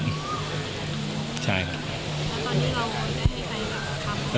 แล้วตอนนี้เราได้ให้ให้หรือครับ